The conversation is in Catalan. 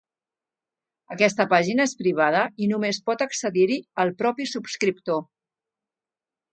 Aquesta pàgina és privada i només pot accedir-hi el propi subscriptor.